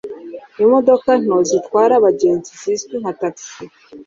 imodoka nto zitwara abagenzi zizwi nka Taxi